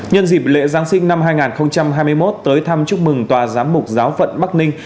nhân dịp lễ giáng sinh năm hai nghìn hai mươi một tới thăm chúc mừng tòa giám mục giáo phận bắc ninh